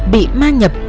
bị ma nhập